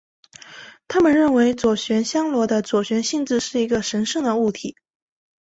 他们认为左旋香螺的左旋性质是一个神圣的物体。